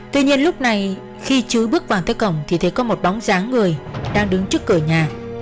tuy nhiên lúc này khi chứ bước vào tới cổng thì thấy có một bóng dáng người đang đứng trước cửa nhà